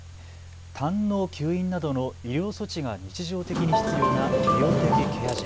たんの吸引などの医療措置が日常的に必要な医療的ケア児。